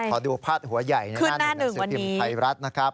ขอดูภาษาหัวใหญ่ในหน้าหนึ่งของสกิมไทยรัฐนะครับ